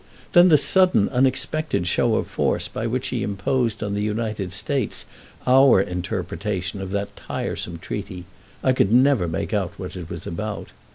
Then the sudden, unexpected show of force by which he imposed on the United States our interpretation of that tiresome treaty—I could never make out what it was about.